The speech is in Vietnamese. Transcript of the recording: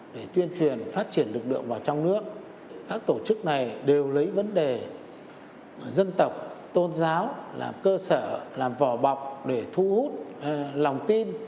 để tuyên truyền phát triển lực lượng vào trong nước các tổ chức này đều lấy vấn đề dân tộc tôn giáo làm cơ sở làm vò bọc để thu hút lòng tin